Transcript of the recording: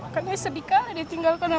karena sedika ditinggalkan abu